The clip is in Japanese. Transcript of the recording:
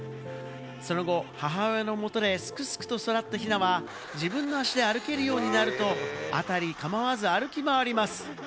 その後、母親の元ですくすくと育ったヒナは自分の足で歩けるようになると、辺り構わず歩き回ります。